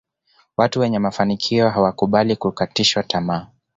Watu wenye mafanikio hawakubali kukatishwa tamaa